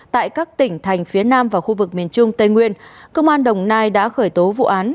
tại các tỉnh thành phía nam và khu vực miền trung tây nguyên công an đồng nai đã khởi tố vụ án